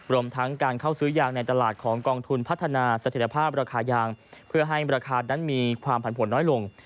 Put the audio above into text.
รวมทั้งการเข้าซื้อยางในตลาดของกองทุนพัฒนาสถิตภาพราคายางเพื่อให้ราคานั้นมีความผันผลน้อยลง